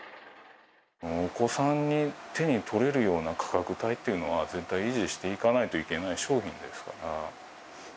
お子さんに、手に取れるような価格帯っていうのは、絶対維持していかないといけない商品ですから。